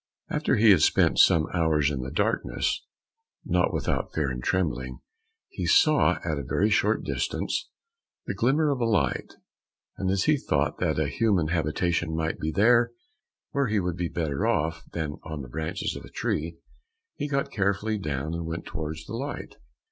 After he had spent some hours in the darkness, not without fear and trembling, he saw at a very short distance the glimmer of a light, and as he thought that a human habitation might be there, where he would be better off than on the branches of a tree, he got carefully down and went towards the light.